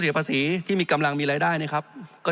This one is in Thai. จริงโครงการนี้มันเป็นภาพสะท้อนของรัฐบาลชุดนี้ได้เลยนะครับ